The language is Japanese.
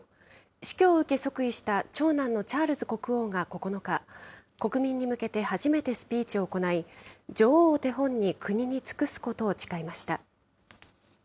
死去を受け即位した長男のチャールズ国王が９日、国民に向けて初めてスピーチを行い、女王を手本に国に尽くすことを誓いました。